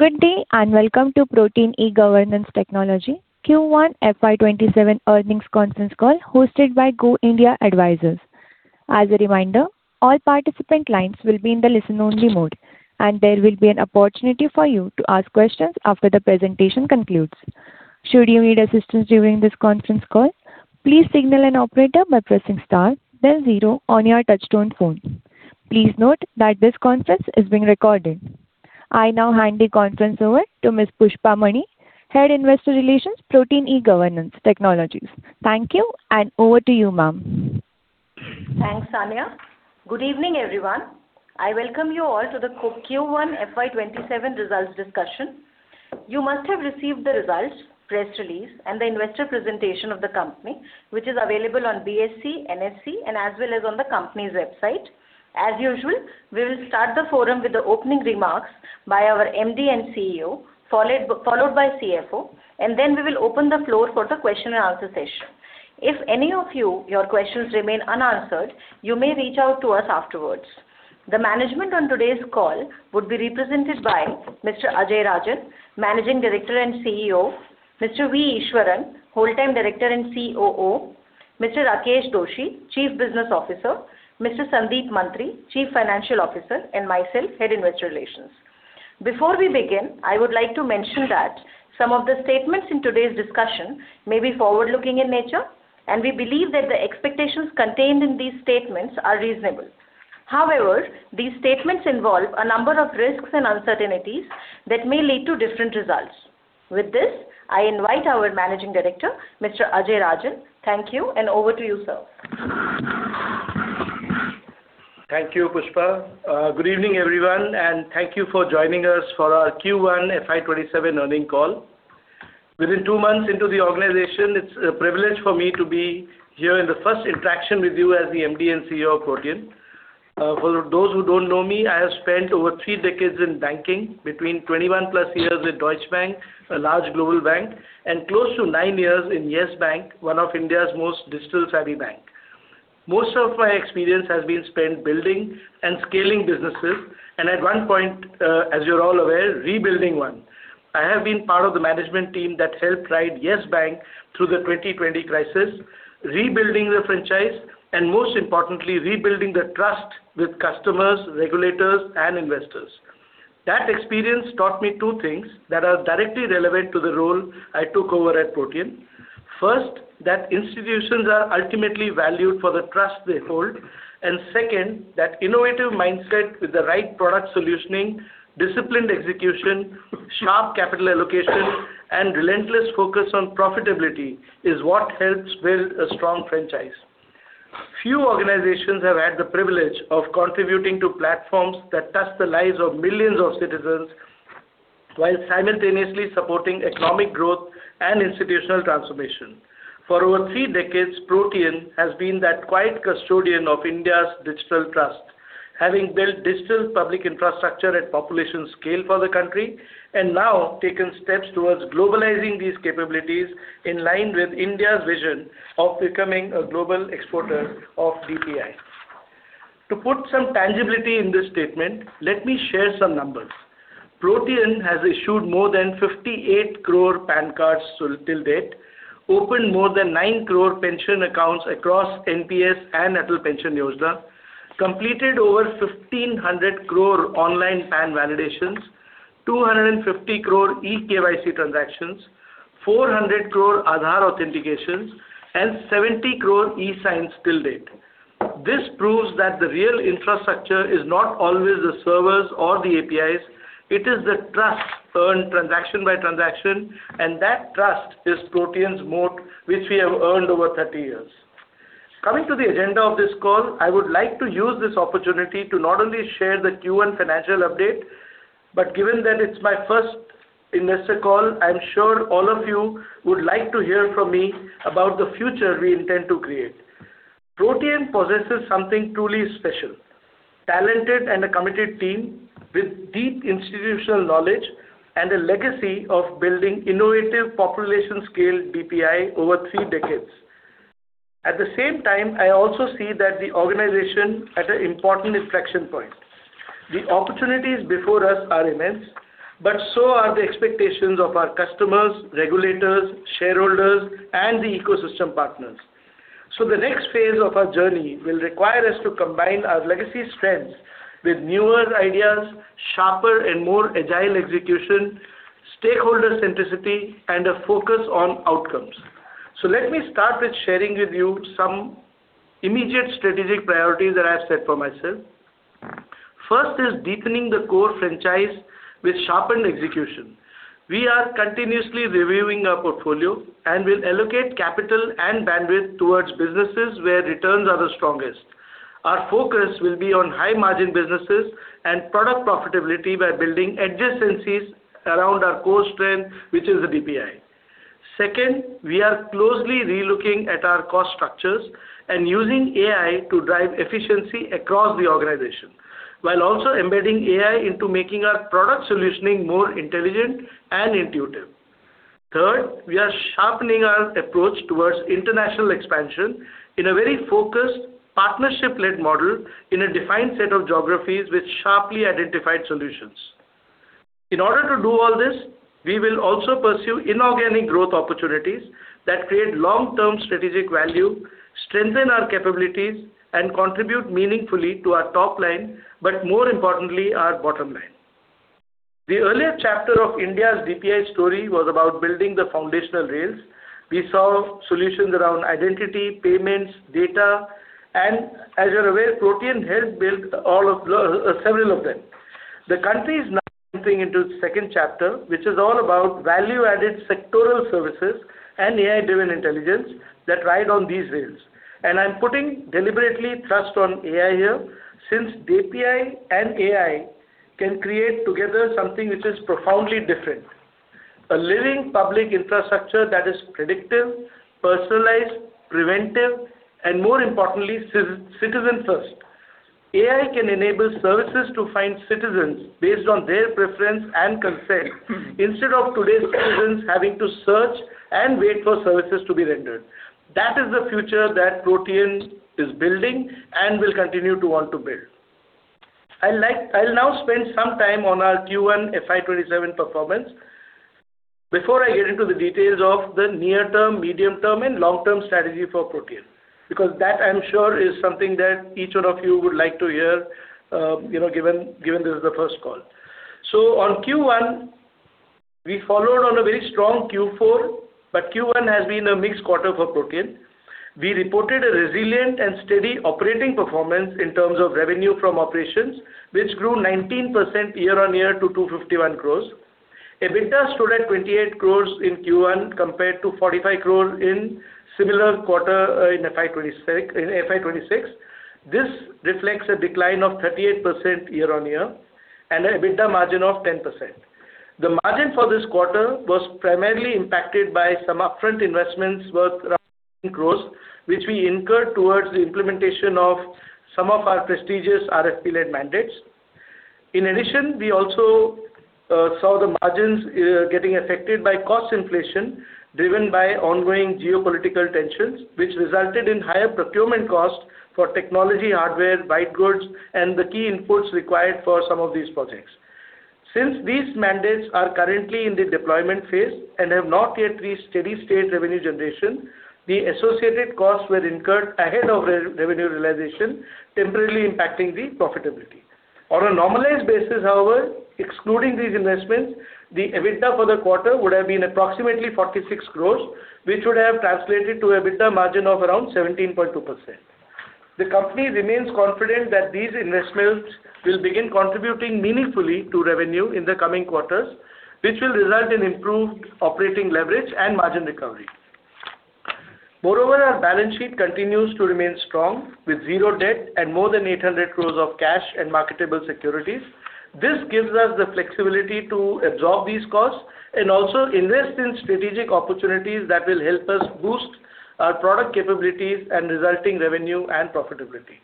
Good day, and welcome to Protean eGov Technologies Q1 FY 2027 earnings consensus call hosted by GoIndia Advisors. As a reminder, all participant lines will be in the listen-only mode, and there will be an opportunity for you to ask questions after the presentation concludes. Should you need assistance during this conference call, please signal an operator by pressing star then zero on your touch-tone phone. Please note that this conference is being recorded. I now hand the conference over to Ms. Pushpa Mani, Head - Investor Relations, Protean eGov Technologies. Thank you, and over to you, ma'am. Thanks, Saniya. Good evening, everyone. I welcome you all to the Q1 FY 2027 results discussion. You must have received the results, press release, and the investor presentation of the company, which is available on BSE, NSE, and as well as on the company's website. As usual, we will start the forum with the opening remarks by our MD and CEO, followed by CFO. Then we will open the floor for the question and answer session. If any of your questions remain unanswered, you may reach out to us afterwards. The management on today's call would be represented by Mr. Ajay Rajan, Managing Director and CEO, Mr. V. Easwaran, Whole Time Director and COO, Mr. Rakesh Dosi, Chief Business Officer, Mr. Sandeep Mantri, Chief Financial Officer, and myself, Head - Investor Relations. Before we begin, I would like to mention that some of the statements in today's discussion may be forward-looking in nature, and we believe that the expectations contained in these statements are reasonable. However, these statements involve a number of risks and uncertainties that may lead to different results. With this, I invite our Managing Director, Mr. Ajay Rajan. Thank you, and over to you, sir. Thank you, Pushpa. Good evening, everyone, and thank you for joining us for our Q1 FY 2027 earning call. Within two months into the organization, it's a privilege for me to be here in the first interaction with you as the MD and CEO of Protean. For those who don't know me, I have spent over three decades in banking, between 21+ years with Deutsche Bank, a large global bank, and close to nine years in Yes Bank, one of India's most digital-savvy bank. Most of my experience has been spent building and scaling businesses, and at one point, as you're all aware, rebuilding one. I have been part of the management team that helped ride Yes Bank through the 2020 crisis, rebuilding the franchise, and most importantly, rebuilding the trust with customers, regulators, and investors. That experience taught me two things that are directly relevant to the role I took over at Protean. First, that institutions are ultimately valued for the trust they hold. Second, that innovative mindset with the right product solutioning, disciplined execution, sharp capital allocation, and relentless focus on profitability is what helps build a strong franchise. Few organizations have had the privilege of contributing to platforms that touch the lives of millions of citizens while simultaneously supporting economic growth and institutional transformation. For over three decades, Protean has been that quiet custodian of India's digital trust, having built digital public infrastructure at population scale for the country, and now taken steps towards globalizing these capabilities in line with India's vision of becoming a global exporter of DPI. To put some tangibility in this statement, let me share some numbers. Protean has issued more than 58 crore PAN cards till date, opened more than nine crore pension accounts across NPS and Atal Pension Yojana, completed over 1,500 crore online PAN validations, 250 crore eKYC transactions, 400 crore Aadhaar authentications, and 70 crore e-signs till date. This proves that the real infrastructure is not always the servers or the APIs. It is the trust earned transaction by transaction, and that trust is Protean's moat, which we have earned over 30 years. Coming to the agenda of this call, I would like to use this opportunity to not only share the Q1 financial update, but given that it's my first investor call, I'm sure all of you would like to hear from me about the future we intend to create. Protean possesses something truly special. Talented and a committed team with deep institutional knowledge and a legacy of building innovative population-scale DPI over three decades. At the same time, I also see that the organization at an important inflection point. The opportunities before us are immense, but so are the expectations of our customers, regulators, shareholders, and the ecosystem partners. The next phase of our journey will require us to combine our legacy strengths with newer ideas, sharper and more agile execution, stakeholder centricity, and a focus on outcomes. Let me start with sharing with you some immediate strategic priorities that I have set for myself. First is deepening the core franchise with sharpened execution. We are continuously reviewing our portfolio and will allocate capital and bandwidth towards businesses where returns are the strongest. Our focus will be on high-margin businesses and product profitability by building adjacencies around our core strength, which is the DPI. Second, we are closely relooking at our cost structures and using AI to drive efficiency across the organization, while also embedding AI into making our product solutioning more intelligent and intuitive. Third, we are sharpening our approach towards international expansion in a very focused partnership-led model in a defined set of geographies with sharply identified solutions. In order to do all this, we will also pursue inorganic growth opportunities that create long-term strategic value, strengthen our capabilities, and contribute meaningfully to our top line, but more importantly, our bottom line. The earlier chapter of India's DPI story was about building the foundational rails. We saw solutions around identity, payments, data, and as you're aware, Protean helped build several of them. The country is now entering into the second chapter, which is all about value-added sectoral services and AI-driven intelligence that ride on these rails. I am putting deliberately thrust on AI here, since DPI and AI can create together something which is profoundly different. A living public infrastructure that is predictive, personalized, preventive, and more importantly, citizen first. AI can enable services to find citizens based on their preference and consent instead of today's citizens having to search and wait for services to be rendered. That is the future that Protean is building and will continue to want to build. I will now spend some time on our Q1 FY 2027 performance before I get into the details of the near-term, medium-term, and long-term strategy for Protean, because that, I am sure, is something that each one of you would like to hear, given this is the first call. On Q1, we followed on a very strong Q4, but Q1 has been a mixed quarter for Protean. We reported a resilient and steady operating performance in terms of revenue from operations, which grew 19% year-over-year to 251 crore. EBITDA stood at 28 crore in Q1 compared to 45 crore in similar quarter in FY 2026. This reflects a decline of 38% year-over-year and an EBITDA margin of 10%. The margin for this quarter was primarily impacted by some upfront investments worth around 18 crores, which we incurred towards the implementation of some of our prestigious RFP-led mandates. In addition, we also saw the margins getting affected by cost inflation, driven by ongoing geopolitical tensions, which resulted in higher procurement costs for technology, hardware, white goods, and the key inputs required for some of these projects. Since these mandates are currently in the deployment phase and have not yet reached steady-state revenue generation, the associated costs were incurred ahead of revenue realization, temporarily impacting the profitability. On a normalized basis, however, excluding these investments, the EBITDA for the quarter would have been approximately 46 crore, which would have translated to EBITDA margin of around 17.2%. The company remains confident that these investments will begin contributing meaningfully to revenue in the coming quarters, which will result in improved operating leverage and margin recovery. Moreover, our balance sheet continues to remain strong with zero debt and more than 800 crore of cash and marketable securities. This gives us the flexibility to absorb these costs and also invest in strategic opportunities that will help us boost our product capabilities and resulting revenue and profitability.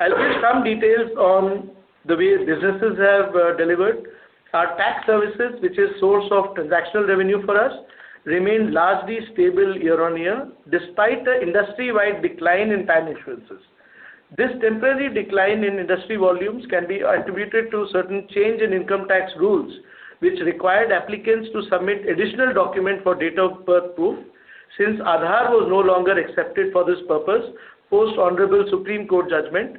I will give some details on the way businesses have delivered. Our tax services, which is source of transactional revenue for us, remain largely stable year-over-year, despite the industry-wide decline in PAN issuances. This temporary decline in industry volumes can be attributed to certain change in income tax rules, which required applicants to submit additional document for date of birth proof, since Aadhaar was no longer accepted for this purpose post Honorable Supreme Court judgment.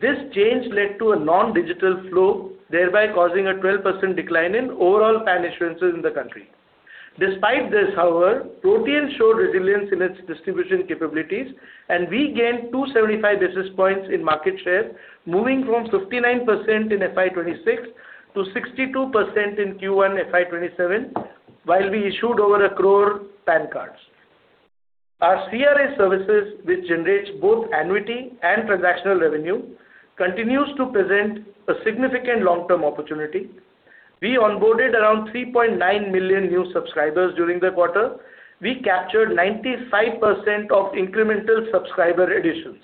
This change led to a non-digital flow, thereby causing a 12% decline in overall PAN issuances in the country. Despite this, however, Protean showed resilience in its distribution capabilities, and we gained 275 basis points in market share, moving from 59% in FY 2026 to 62% in Q1 FY 2027, while we issued over 1 crore PAN cards. Our CRA services, which generates both annuity and transactional revenue, continues to present a significant long-term opportunity. We onboarded around 3.9 million new subscribers during the quarter. We captured 95% of incremental subscriber additions.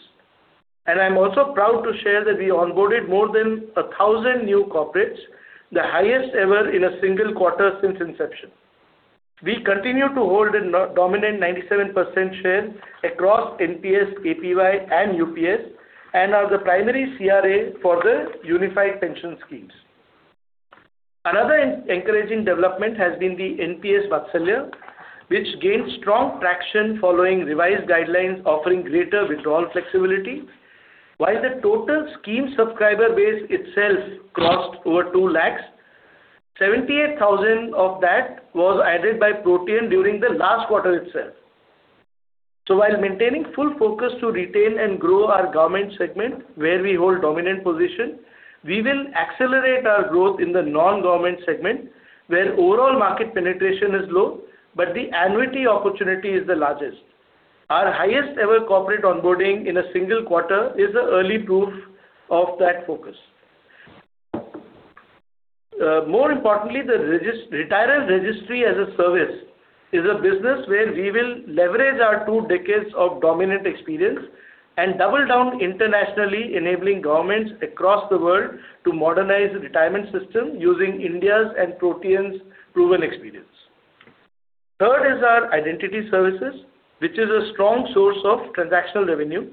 I'm also proud to share that we onboarded more than 1,000 new corporates, the highest ever in a single quarter since inception. We continue to hold a dominant 97% share across NPS, APY and UPS, and are the primary CRA for the unified pension schemes. Another encouraging development has been the NPS Vatsalya, which gained strong traction following revised guidelines offering greater withdrawal flexibility. While the total scheme subscriber base itself crossed over 2 lakhs, 78,000 of that was added by Protean during the last quarter itself. While maintaining full focus to retain and grow our government segment where we hold dominant position, we will accelerate our growth in the non-government segment, where overall market penetration is low, but the annuity opportunity is the largest. Our highest-ever corporate onboarding in a single quarter is the early proof of that focus. More importantly, the retirees registry as a service is a business where we will leverage our two decades of dominant experience and double down internationally, enabling governments across the world to modernize the retirement system using India's and Protean's proven experience. Third is our identity services, which is a strong source of transactional revenue.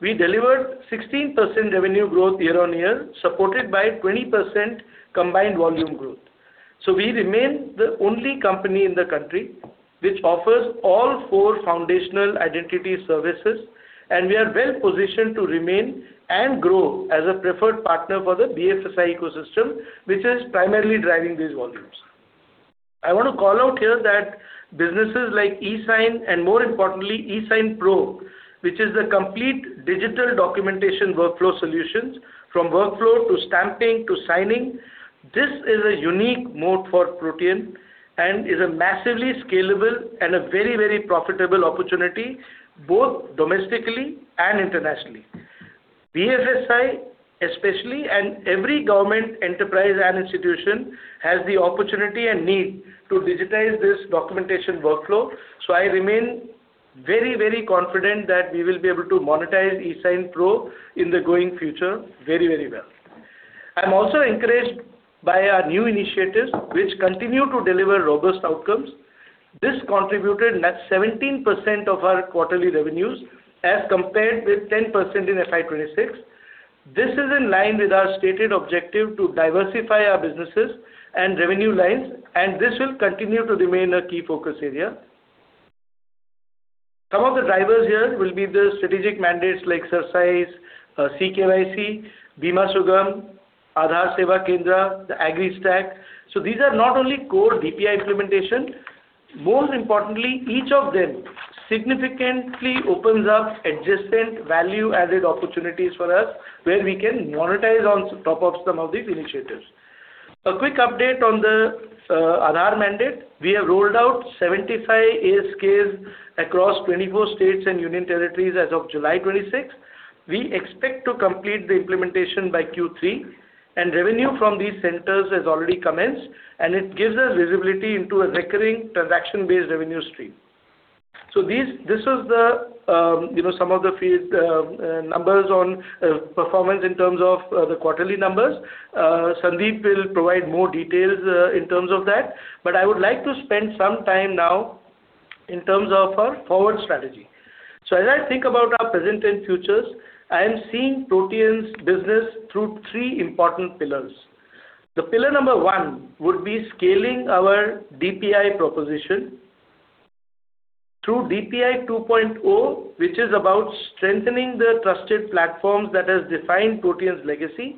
We delivered 16% revenue growth year-on-year, supported by 20% combined volume growth. We remain the only company in the country which offers all four foundational identity services, and we are well-positioned to remain and grow as a preferred partner for the BFSI ecosystem, which is primarily driving these volumes. I want to call out here that businesses like eSign and more importantly, eSignPro, which is the complete digital documentation workflow solutions from workflow to stamping to signing. This is a unique mode for Protean and is a massively scalable and a very profitable opportunity, both domestically and internationally. BFSI especially, and every government enterprise and institution has the opportunity and need to digitize this documentation workflow. I remain very confident that we will be able to monetize eSignPro in the going future very well. I'm also encouraged by our new initiatives, which continue to deliver robust outcomes. This contributed 17% of our quarterly revenues as compared with 10% in FY 2026. This is in line with our stated objective to diversify our businesses and revenue lines, and this will continue to remain a key focus area. Some of the drivers here will be the strategic mandates like CERSAI, CKYC, Bima Sugam, Aadhaar Seva Kendra, the AgriStack. These are not only core DPI implementation. Most importantly, each of them significantly opens up adjacent value-added opportunities for us where we can monetize on top of some of these initiatives. A quick update on the Aadhaar mandate. We have rolled out 75 ASKs across 24 states and union territories as of July 26. We expect to complete the implementation by Q3, and revenue from these centers has already commenced, and it gives us visibility into a recurring transaction-based revenue stream. This was some of the numbers on performance in terms of the quarterly numbers. Sandip will provide more details in terms of that. I would like to spend some time now in terms of our forward strategy. As I think about our present and futures, I am seeing Protean's business through three important pillars. The pillar number one would be scaling our DPI proposition through DPI 2.0, which is about strengthening the trusted platforms that has defined Protean's legacy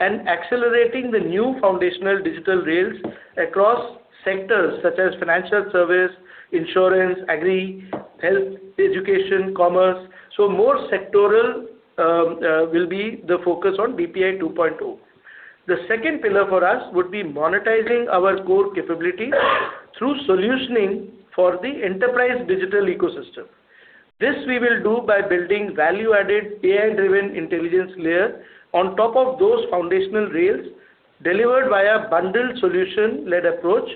and accelerating the new foundational digital rails across sectors such as financial service, insurance, agri, health, education, commerce. More sectoral will be the focus on DPI 2.0. The second pillar for us would be monetizing our core capabilities through solutioning for the enterprise digital ecosystem. This we will do by building value-added, AI-driven intelligence layer on top of those foundational rails delivered by a bundled solution-led approach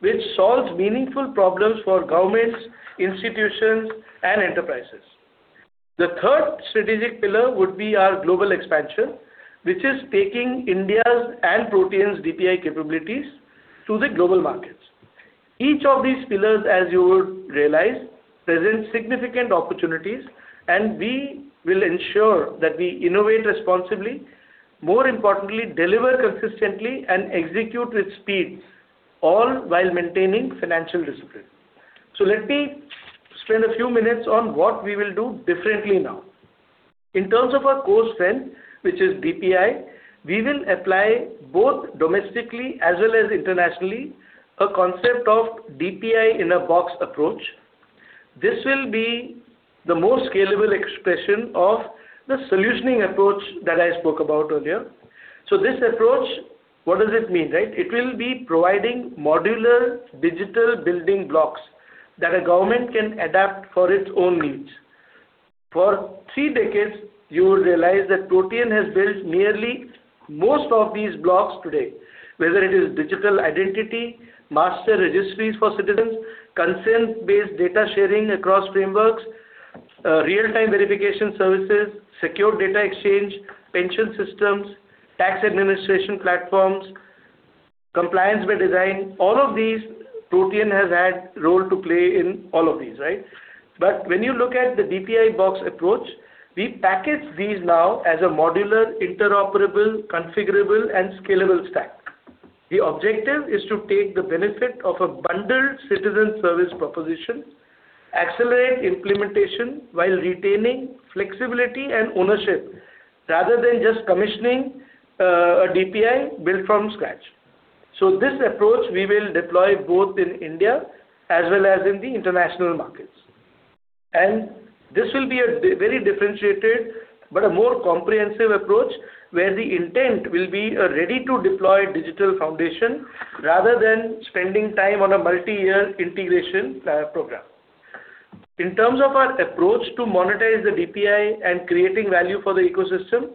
which solves meaningful problems for governments, institutions, and enterprises. The third strategic pillar would be our global expansion, which is taking India's and Protean's DPI capabilities to the global markets. Each of these pillars, as you would realize, present significant opportunities. We will ensure that we innovate responsibly, more importantly, deliver consistently, and execute with speeds, all while maintaining financial discipline. Let me spend a few minutes on what we will do differently now. In terms of our core strength, which is DPI, we will apply both domestically as well as internationally, a concept of DPI in a Box approach. This will be the most scalable expression of the solutioning approach that I spoke about earlier. This approach, what does it mean, right? It will be providing modular digital building blocks that a government can adapt for its own needs. For three decades, you will realize that Protean has built nearly most of these blocks today, whether it is digital identity, master registries for citizens, consent-based data sharing across frameworks, real-time verification services, secure data exchange, pension systems, tax administration platforms, compliance by design, all of these, Protean has had role to play in all of these, right? When you look at the DPI box approach, we package these now as a modular, interoperable, configurable, and scalable stack. The objective is to take the benefit of a bundled citizen service proposition, accelerate implementation while retaining flexibility and ownership, rather than just commissioning a DPI built from scratch. This approach we will deploy both in India as well as in the international markets. This will be a very differentiated but a more comprehensive approach where the intent will be a ready-to-deploy digital foundation rather than spending time on a multi-year integration program. In terms of our approach to monetize the DPI and creating value for the ecosystem,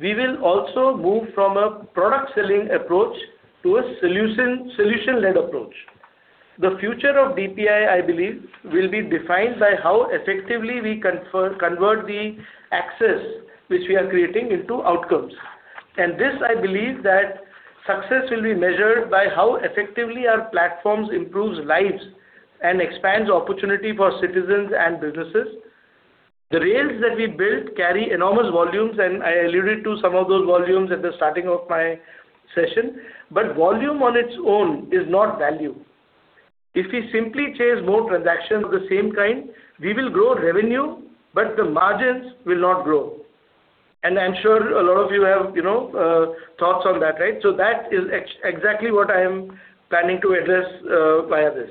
we will also move from a product-selling approach to a solution-led approach. The future of DPI, I believe, will be defined by how effectively we convert the access which we are creating into outcomes. This, I believe, that success will be measured by how effectively our platforms improves lives and expands opportunity for citizens and businesses. The rails that we built carry enormous volumes, and I alluded to some of those volumes at the starting of my session. Volume on its own is not value. If we simply chase more transactions of the same kind, we will grow revenue, but the margins will not grow. I'm sure a lot of you have thoughts on that, right? That is exactly what I am planning to address via this.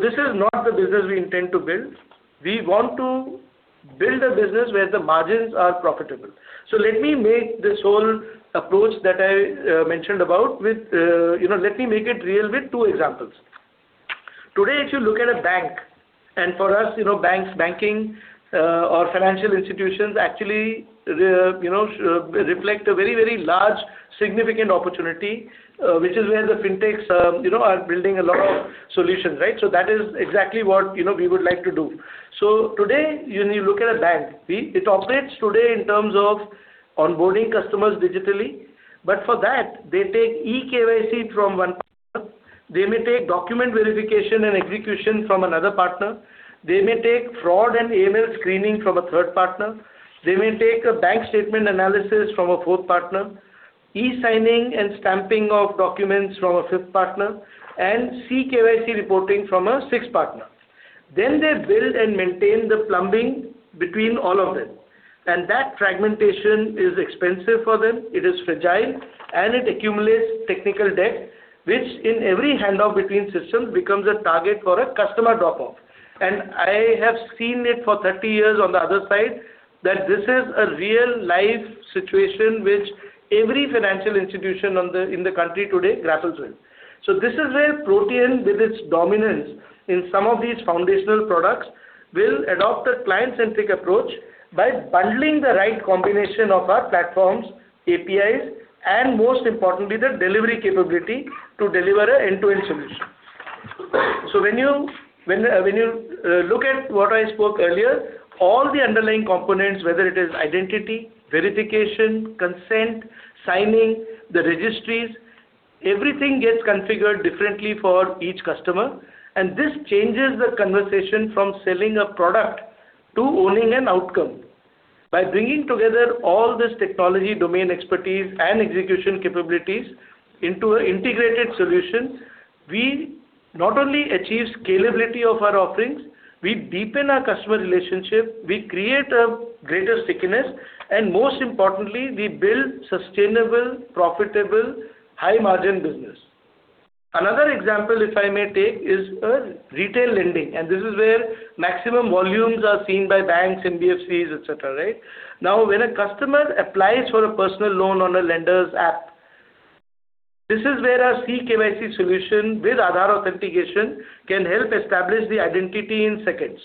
This is not the business we intend to build. We want to build a business where the margins are profitable. Let me make this whole approach that I mentioned about, let me make it real with two examples. Today, if you look at a bank, and for us, banks, banking or financial institutions, actually reflect a very, very large, significant opportunity, which is where the fintechs are building a lot of solutions, right? That is exactly what we would like to do. Today, when you look at a bank, it operates today in terms of onboarding customers digitally. For that, they take eKYC from one partner. They may take document verification and execution from another partner. They may take fraud and AML screening from a third partner. They may take a bank statement analysis from a fourth partner, e-signing and stamping of documents from a fifth partner, and CKYC reporting from a sixth partner. They build and maintain the plumbing between all of them. That fragmentation is expensive for them, it is fragile, and it accumulates technical debt, which in every handoff between systems becomes a target for a customer drop-off. I have seen it for 30 years on the other side, that this is a real-life situation which every financial institution in the country today grapples with. This is where Protean, with its dominance in some of these foundational products, will adopt a client-centric approach by bundling the right combination of our platforms, APIs, and most importantly, the delivery capability to deliver an end-to-end solution. When you look at what I spoke earlier, all the underlying components, whether it is identity, verification, consent, signing, the registries, everything gets configured differently for each customer, and this changes the conversation from selling a product to owning an outcome. By bringing together all this technology, domain expertise, and execution capabilities into an integrated solution, we not only achieve scalability of our offerings, we deepen our customer relationship, we create a greater stickiness, and most importantly, we build sustainable, profitable, high-margin business. Another example, if I may take, is retail lending, and this is where maximum volumes are seen by banks, NBFCs, et cetera. When a customer applies for a personal loan on a lender's app, this is where our CKYC solution with Aadhaar authentication can help establish the identity in seconds.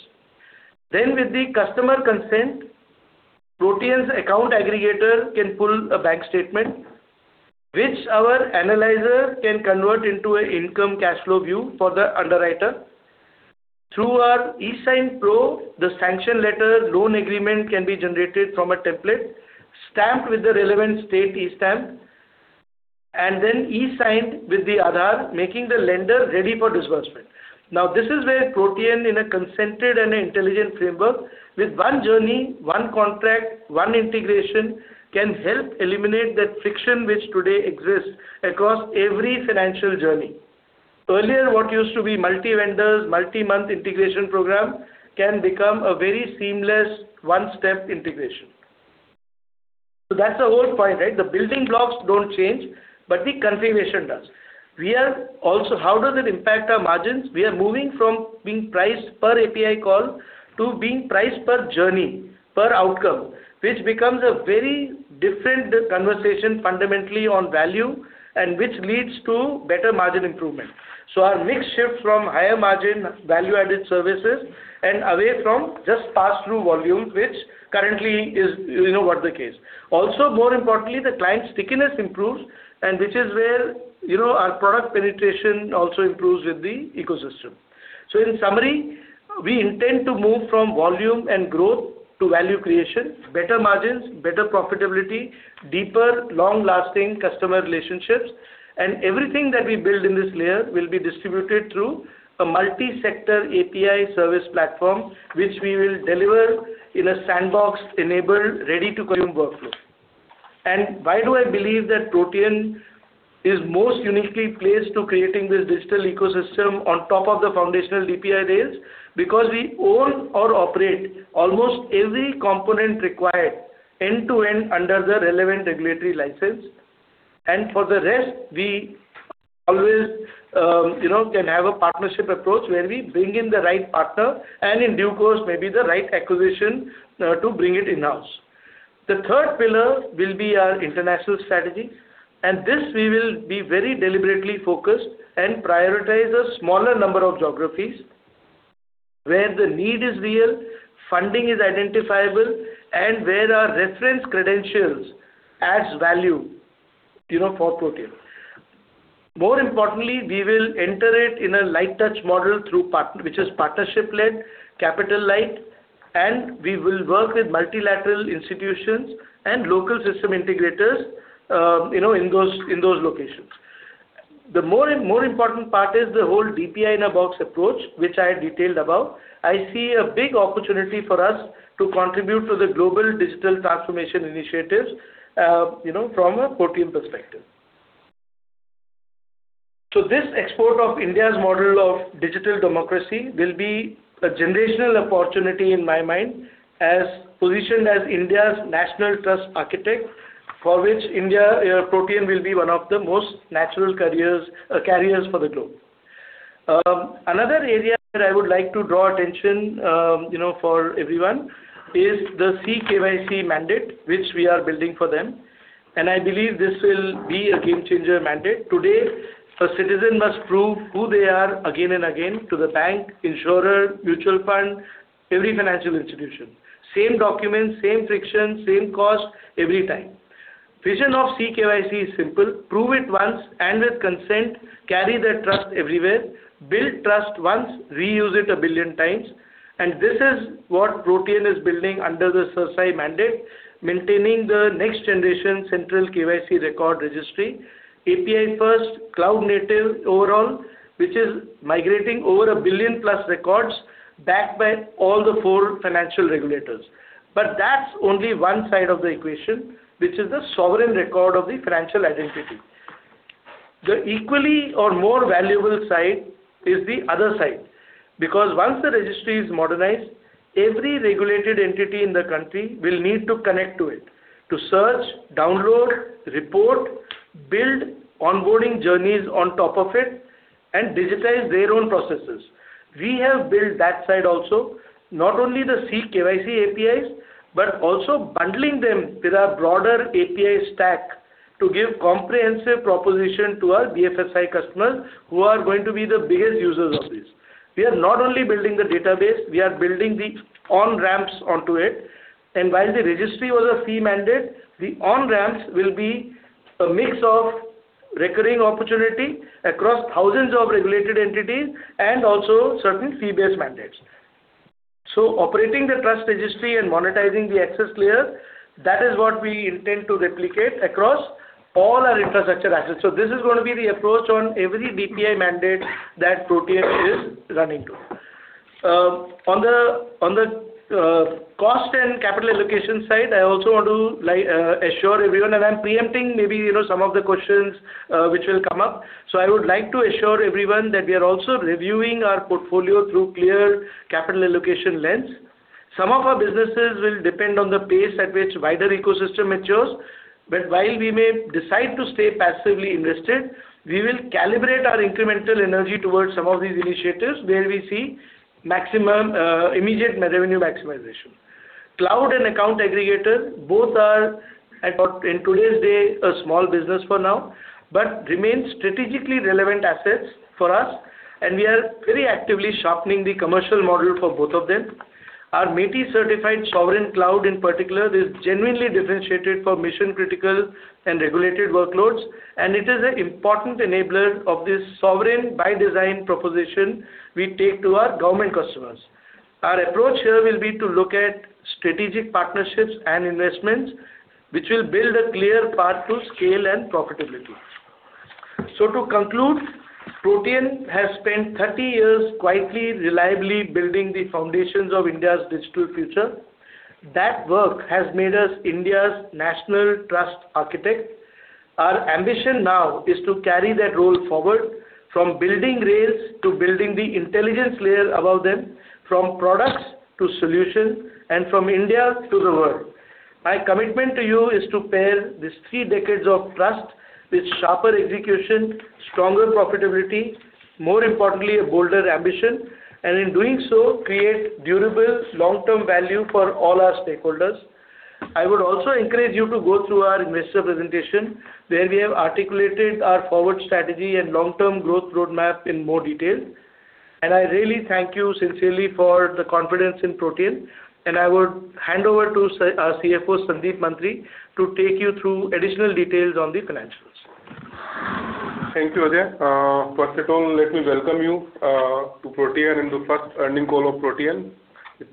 With the customer consent, Protean's Account Aggregator can pull a bank statement, which our analyzer can convert into an income cash flow view for the underwriter. Through our eSignPro, the sanction letter, loan agreement can be generated from a template, stamped with the relevant state e-stamp, and then e-signed with the Aadhaar, making the lender ready for disbursement. This is where Protean in a consented and intelligent framework with one journey, one contract, one integration, can help eliminate that friction which today exists across every financial journey. Earlier, what used to be multi-vendors, multi-month integration program can become a very seamless one-step integration. That's the whole point, right? The building blocks don't change, but the configuration does. How does it impact our margins? We are moving from being priced per API call to being priced per journey, per outcome, which becomes a very different conversation fundamentally on value, which leads to better margin improvement. Our mix shifts from higher margin value-added services and away from just pass-through volume, which currently is what the case. More importantly, the client stickiness improves which is where our product penetration also improves with the ecosystem. In summary, we intend to move from volume and growth to value creation, better margins, better profitability, deeper long-lasting customer relationships. Everything that we build in this layer will be distributed through a multi-sector API service platform, which we will deliver in a sandbox-enabled, ready-to-consume workflow. Why do I believe that Protean is most uniquely placed to creating this digital ecosystem on top of the foundational DPI rails? Because we own or operate almost every component required end-to-end under the relevant regulatory license. For the rest, we always can have a partnership approach where we bring in the right partner and in due course, maybe the right acquisition to bring it in-house. The third pillar will be our international strategy, this we will be very deliberately focused and prioritize a smaller number of geographies where the need is real, funding is identifiable, where our reference credentials adds value for Protean. We will enter it in a light touch model through partner, which is partnership-led, capital light, we will work with multilateral institutions and local system integrators in those locations. The more important part is the whole DPI in a Box approach, which I detailed above. I see a big opportunity for us to contribute to the global digital transformation initiatives from a Protean perspective. This export of India's model of digital democracy will be a generational opportunity in my mind, as positioned as India's national trust architect, for which India Protean will be one of the most natural carriers for the globe. Another area that I would like to draw attention for everyone is the C-KYC mandate, which we are building for them. I believe this will be a game-changer mandate. Today, a citizen must prove who they are again and again to the bank, insurer, mutual fund, every financial institution. Same document, same friction, same cost every time. Vision of C-KYC is simple: prove it once and with consent, carry that trust everywhere. Build trust once, reuse it a billion times. This is what Protean is building under the CERSAI mandate, maintaining the next generation central KYC record registry. API first, cloud native overall, which is migrating over a billion plus records backed by all the four financial regulators. That's only one side of the equation, which is the sovereign record of the financial identity. The equally or more valuable side is the other side. Because once the registry is modernized, every regulated entity in the country will need to connect to it, to search, download, report, build onboarding journeys on top of it, digitize their own processes. We have built that side also, not only the C-KYC APIs, but also bundling them with our broader API stack to give comprehensive proposition to our BFSI customers who are going to be the biggest users of this. We are not only building the database, we are building the on-ramps onto it. While the registry was a fee mandate, the on-ramps will be a mix of recurring opportunity across thousands of regulated entities and also certain fee-based mandates. Operating the trust registry and monetizing the access layer, that is what we intend to replicate across all our infrastructure assets. This is going to be the approach on every DPI mandate that Protean is running to. On the cost and capital allocation side, I also want to assure everyone that I'm preempting maybe some of the questions which will come up. I would like to assure everyone that we are also reviewing our portfolio through clear capital allocation lens. Some of our businesses will depend on the pace at which wider ecosystem matures, but while we may decide to stay passively invested, we will calibrate our incremental energy towards some of these initiatives where we see immediate revenue maximization. Cloud and Account Aggregator, both are, I thought in today's day, a small business for now, but remain strategically relevant assets for us, and we are very actively sharpening the commercial model for both of them. Our MeitY-certified sovereign cloud in particular is genuinely differentiated for mission-critical and regulated workloads, and it is an important enabler of this sovereign by design proposition we take to our government customers. Our approach here will be to look at strategic partnerships and investments, which will build a clear path to scale and profitability. To conclude, Protean has spent 30 years quietly, reliably building the foundations of India's digital future. That work has made us India's national trust architect. Our ambition now is to carry that role forward from building rails to building the intelligence layer above them, from products to solution, and from India to the world. My commitment to you is to pair these three decades of trust with sharper execution, stronger profitability, more importantly, a bolder ambition, and in doing so, create durable long-term value for all our stakeholders. I would also encourage you to go through our investor presentation, where we have articulated our forward strategy and long-term growth roadmap in more detail. I really thank you sincerely for the confidence in Protean, and I would hand over to our CFO, Sandeep Mantri, to take you through additional details on the financials. Thank you, Ajay. First of all, let me welcome you to Protean and the first earning call of Protean.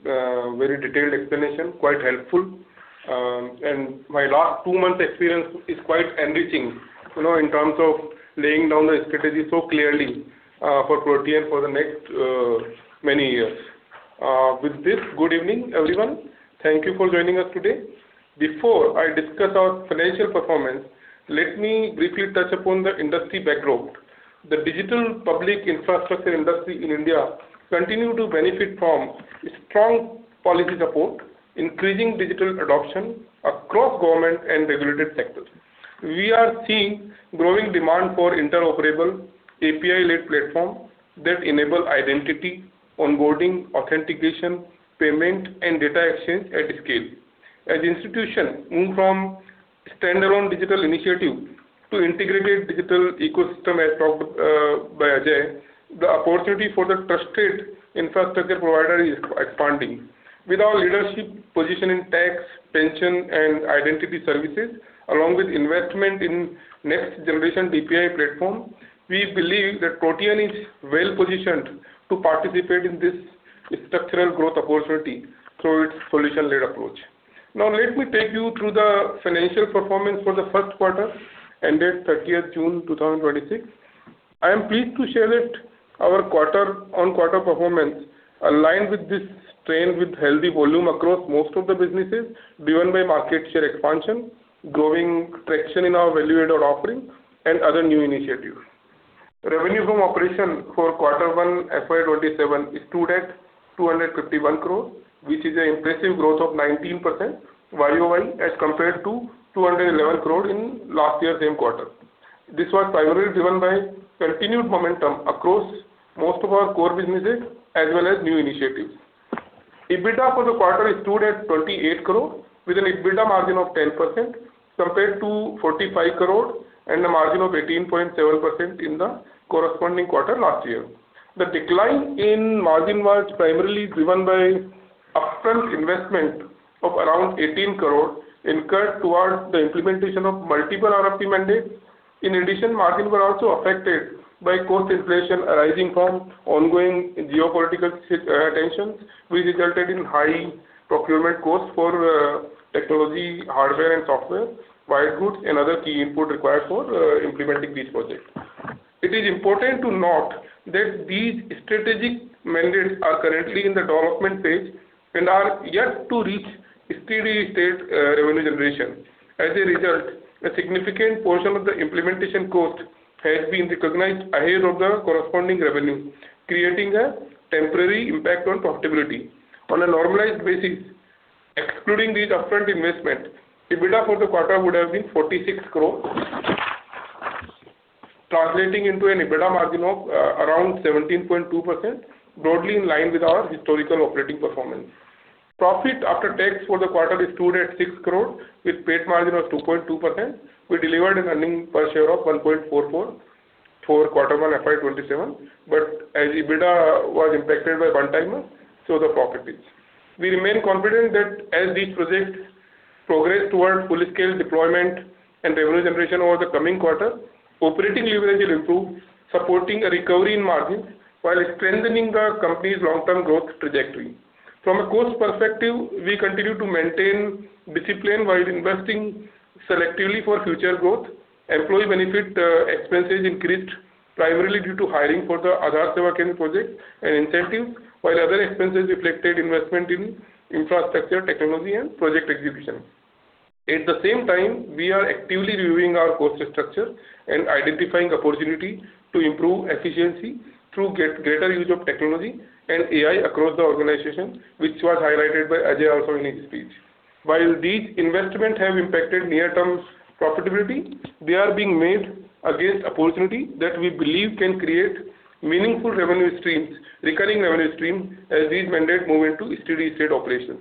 Very detailed explanation, quite helpful. My last two months' experience is quite enriching in terms of laying down the strategy so clearly for Protean for the next many years. With this, good evening, everyone. Thank you for joining us today. Before I discuss our financial performance, let me briefly touch upon the industry backdrop. The Digital Public Infrastructure industry in India continue to benefit from strong policy support, increasing digital adoption across government and regulated sectors. We are seeing growing demand for interoperable API-led platform that enable identity, onboarding, authentication, payment, and data exchange at scale. As institution move from standalone digital initiative to integrated digital ecosystem, as talked by Ajay, the opportunity for the trusted infrastructure provider is expanding. With our leadership position in tax, pension, and identity services, along with investment in next generation DPI platform, we believe that Protean is well-positioned to participate in this structural growth opportunity through its solution-led approach. Let me take you through the financial performance for the first quarter ended 30th June 2026. I am pleased to share that our quarter-on-quarter performance aligned with this trend with healthy volume across most of the businesses, driven by market share expansion, growing traction in our value-added offering, and other new initiatives. Revenue from operation for Q1 FY 2027 stood at 251 crore, which is an impressive growth of 19% year-over-year as compared to 211 crore in last year, same quarter. This was primarily driven by continued momentum across most of our core businesses as well as new initiatives. EBITDA for the quarter stood at 28 crore with an EBITDA margin of 10%, compared to 45 crore and a margin of 18.7% in the corresponding quarter last year. The decline in margin was primarily driven by upfront investment of around 18 crore incurred towards the implementation of multiple RFP mandates. In addition, margin were also affected by cost inflation arising from ongoing geopolitical tensions, which resulted in high procurement costs for technology, hardware and software, white goods and other key input required for implementing these projects. It is important to note that these strategic mandates are currently in the development phase and are yet to reach a steady state revenue generation. As a result, a significant portion of the implementation cost has been recognized ahead of the corresponding revenue, creating a temporary impact on profitability. On a normalized basis, excluding these upfront investment, EBITDA for the quarter would have been 46 crore, translating into an EBITDA margin of around 17.2%, broadly in line with our historical operating performance. Profit after tax for the quarter stood at 6 crore with PAT margin of 2.2%, we delivered an earnings per share of 1.44 for Q1 FY 2027. As EBITDA was impacted by one-timer, so the profit is. We remain confident that as these projects progress toward full scale deployment and revenue generation over the coming quarter, operating leverage will improve, supporting a recovery in margins while strengthening the company's long-term growth trajectory. From a cost perspective, we continue to maintain discipline while investing selectively for future growth. Employee benefit expenses increased primarily due to hiring for the Aadhaar Sevak project and incentives while other expenses reflected investment in infrastructure, technology and project execution. At the same time, we are actively reviewing our cost structure and identifying opportunity to improve efficiency through greater use of technology and AI across the organization, which was highlighted by Ajay also in his speech. While these investments have impacted near-term profitability, they are being made against opportunity that we believe can create meaningful revenue streams, recurring revenue stream, as these mandates move into steady state operations.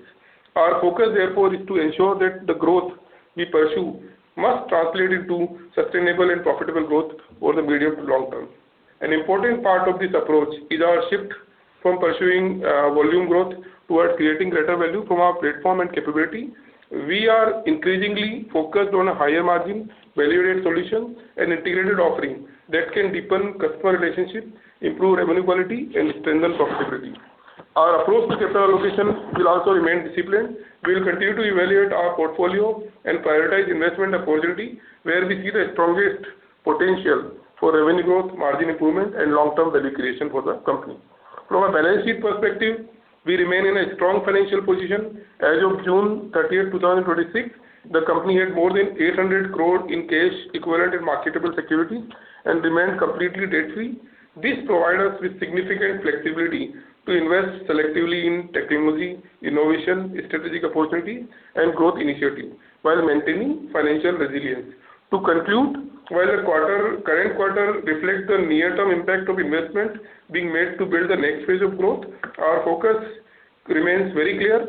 Our focus, therefore, is to ensure that the growth we pursue must translate into sustainable and profitable growth over the medium to long term. An important part of this approach is our shift from pursuing volume growth towards creating greater value from our platform and capability. We are increasingly focused on a higher margin, value-added solution and integrated offering that can deepen customer relationship, improve revenue quality, and strengthen profitability. Our approach to capital allocation will also remain disciplined. We'll continue to evaluate our portfolio and prioritize investment opportunity where we see the strongest potential for revenue growth, margin improvement, and long-term value creation for the company. From a balance sheet perspective, we remain in a strong financial position. As of June 30th, 2026, the company had more than 800 crore in cash, equivalent in marketable security, and remained completely debt-free. This provide us with significant flexibility to invest selectively in technology, innovation, strategic opportunity, and growth initiative while maintaining financial resilience. To conclude, while the current quarter reflects the near-term impact of investment being made to build the next phase of growth, our focus remains very clear: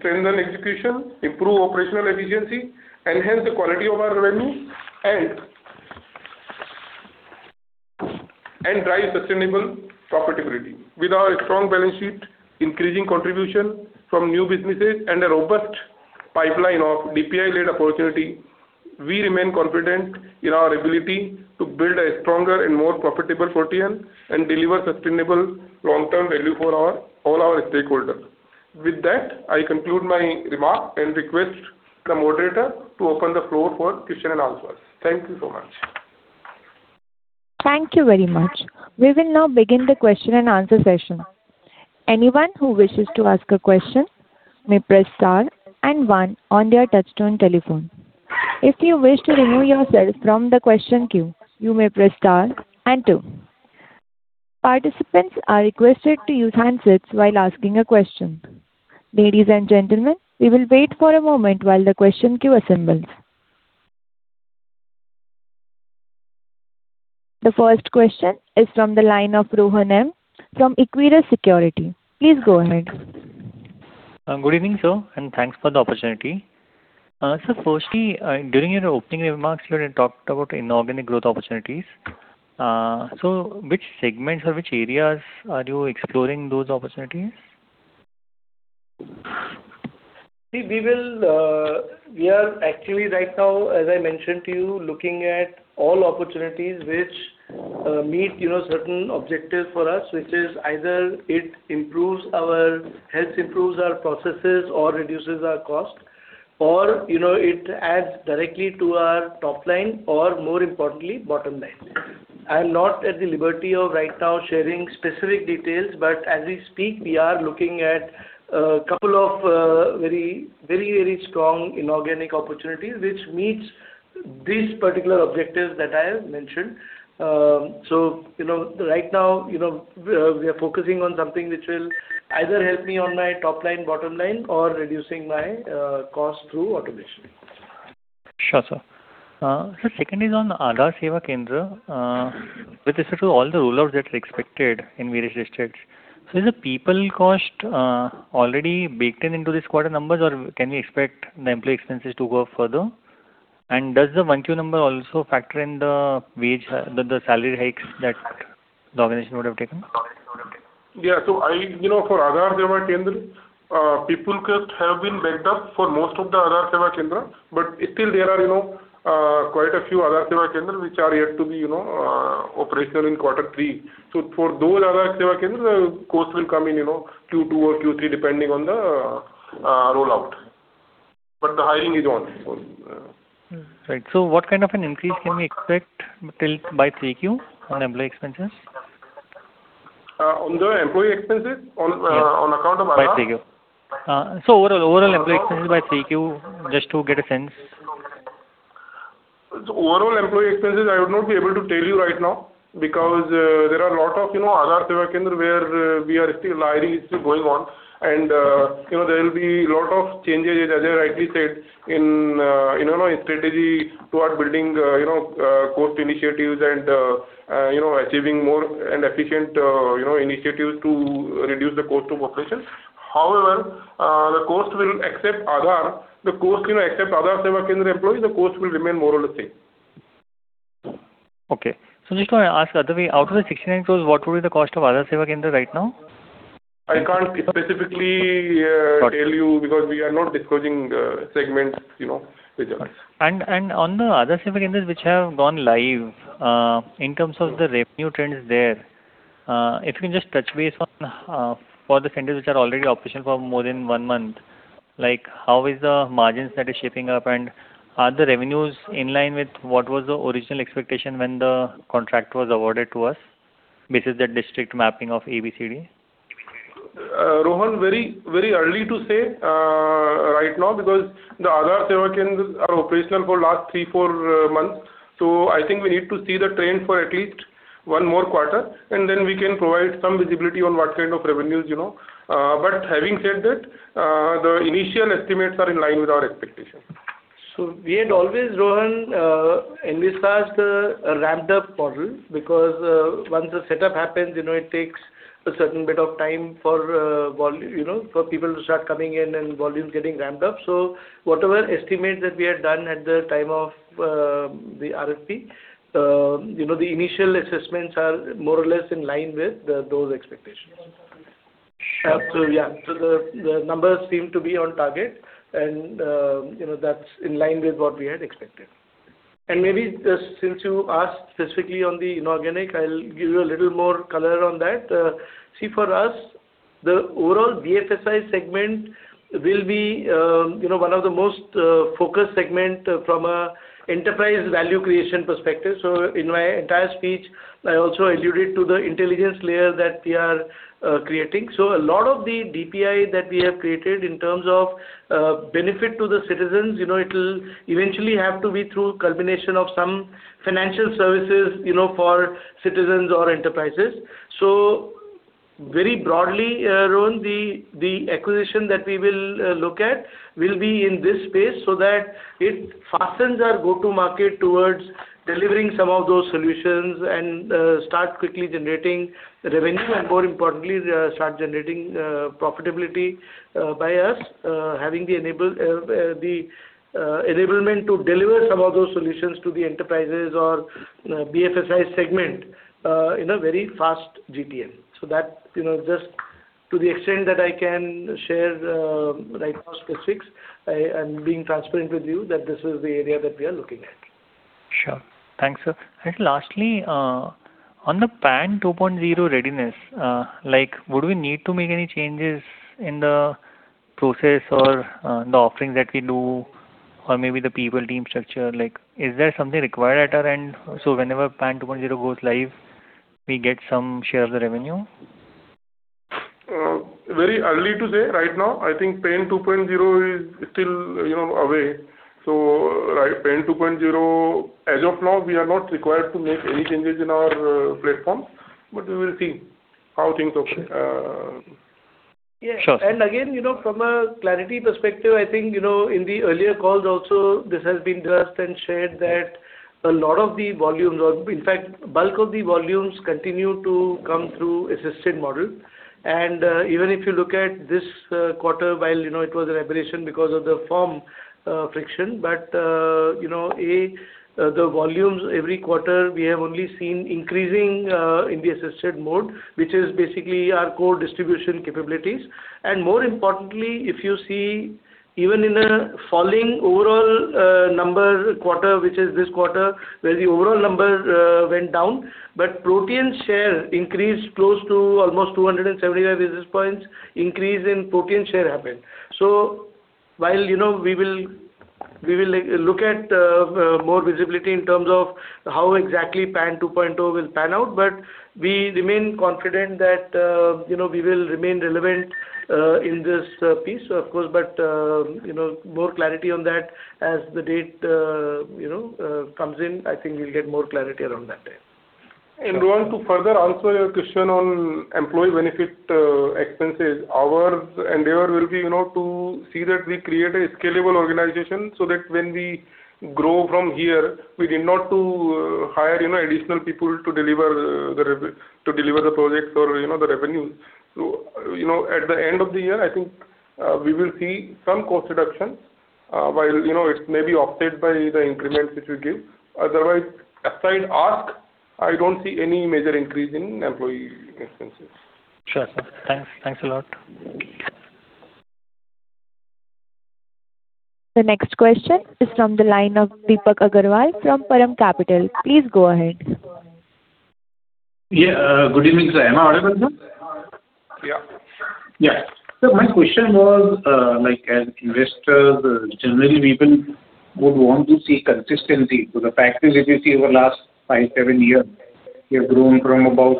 strengthen execution, improve operational efficiency, enhance the quality of our revenue, and drive sustainable profitability. With our strong balance sheet, increasing contribution from new businesses, and a robust pipeline of DPI-led opportunity, we remain confident in our ability to build a stronger and more profitable Protean and deliver sustainable long-term value for all our stakeholders. With that, I conclude my remark and request the moderator to open the floor for question and answers. Thank you so much. Thank you very much. We will now begin the question and answer session. Anyone who wishes to ask a question may press star and one on their touchtone telephone. If you wish to remove yourself from the question queue, you may press star and two. Participants are requested to use handsets while asking a question. Ladies and gentlemen, we will wait for a moment while the question queue assembles. The first question is from the line of Rohan Mandora. from Equirus Securities. Please go ahead. Good evening, sir, thanks for the opportunity. Sir, firstly, during your opening remarks, you had talked about inorganic growth opportunities. Which segments or which areas are you exploring those opportunities? See, we are actually right now, as I mentioned to you, looking at all opportunities which meet certain objectives for us, which is either it helps improves our processes or reduces our cost, or it adds directly to our top line or more importantly, bottom line. I am not at the liberty of right now sharing specific details, but as we speak, we are looking at a couple of very strong inorganic opportunities which meets these particular objectives that I have mentioned. Right now, we are focusing on something which will either help me on my top line, bottom line or reducing my cost through automation. Sure, sir. Sir, second is on Aadhaar Seva Kendra. With respect to all the rollouts that are expected in various districts, is the people cost already baked in into this quarter numbers, or can we expect the employee expenses to go up further? Does the 1Q number also factor in the salary hikes that the organization would have taken? Yeah. For Aadhaar Seva Kendra, people cost have been baked up for most of the Aadhaar Seva Kendra, but still there are quite a few Aadhaar Seva Kendra which are yet to be operational in quarter three. For those Aadhaar Seva Kendra, cost will come in Q2 or Q3, depending on the rollout. The hiring is on. Right. What kind of an increase can we expect by 3Q on employee expenses? On the employee expenses? Yes. Account of Aadhaar? By 3Q. Overall employee expenses by 3Q, just to get a sense. Overall employee expenses, I would not be able to tell you right now because there are a lot of Aadhaar Seva Kendra where hiring is still going on and there will be a lot of changes, as I rightly said, in our strategy toward building cost initiatives and achieving more and efficient initiatives to reduce the cost of operation. However, except Aadhaar Seva Kendra employees, the cost will remain more or less same. Just want to ask, out of the 69 crores, what would be the cost of Aadhaar Seva Kendra right now? I can't specifically tell you because we are not disclosing segments results. On the Aadhaar Seva Kendras which have gone live, in terms of the revenue trends there, if you can just touch base on for the centers which are already operational for more than one month, how is the margins that is shaping up and are the revenues in line with what was the original expectation when the contract was awarded to us based on the district mapping of ABCD? Rohan, very early to say right now because the Aadhaar Seva Kendras are operational for last three, four months. I think we need to see the trend for at least one more quarter and then we can provide some visibility on what kind of revenues. Having said that, the initial estimates are in line with our expectations. We had always, Rohan, envisaged a ramped up model because, once the setup happens, it takes a certain bit of time for people to start coming in and volumes getting ramped up. Whatever estimate that we had done at the time of the RFP, the initial assessments are more or less in line with those expectations. Sure. The numbers seem to be on target and that's in line with what we had expected. Maybe since you asked specifically on the inorganic, I'll give you a little more color on that. See, for us, the overall BFSI segment will be one of the most focused segment from an enterprise value creation perspective. In my entire speech, I also alluded to the intelligence layer that we are creating. A lot of the DPI that we have created in terms of benefit to the citizens, it'll eventually have to be through culmination of some financial services for citizens or enterprises. Very broadly, Rohan, the acquisition that we will look at will be in this space so that it fastens our go-to-market towards delivering some of those solutions and start quickly generating revenue, and more importantly, start generating profitability, by us having the enablement to deliver some of those solutions to the enterprises or BFSI segment in a very fast GTM. That just to the extent that I can share right now specifics, I'm being transparent with you that this is the area that we are looking at. Sure. Thanks, sir. Lastly, on the PAN 2.0 readiness, would we need to make any changes in the process or the offerings that we do or maybe the people team structure? Is there something required at our end, so whenever PAN 2.0 goes live, we get some share of the revenue? Very early to say right now. I think PAN 2.0 is still away. PAN 2.0, as of now, we are not required to make any changes in our platform, but we will see how things open. Sure. Yeah. Again, from a clarity perspective, I think in the earlier calls also, this has been discussed and shared that a lot of the volumes are, in fact, bulk of the volumes continue to come through assisted model. Even if you look at this quarter, while it was a reparation because of the firm friction. The volumes every quarter, we have only seen increasing in the assisted mode, which is basically our core distribution capabilities. More importantly, if you see even in a falling overall number quarter, which is this quarter, where the overall number went down, Protean share increased close to almost 275 basis points increase in Protean share happened. While we will look at more visibility in terms of how exactly PAN 2.0 will pan out, but we remain confident that we will remain relevant in this piece. Of course, more clarity on that as the date comes in. I think we'll get more clarity around that time. Rohan to further answer your question on employee benefit expenses. Our endeavor will be to see that we create a scalable organization so that when we grow from here, we need not to hire additional people to deliver the projects or the revenue. At the end of the year, I think we will see some cost reductions. While it may be offset by the increments which we give. Otherwise, aside ask, I don't see any major increase in employee expenses. Sure, sir. Thanks. Thanks a lot. The next question is from the line of Deepak Agarwal from Param Capital. Please go ahead. Yeah. Good evening, sir. Am I audible, sir? Yeah. My question was, like as investors, generally people would want to see consistency. The practice, if you see over last five, seven years, we have grown from about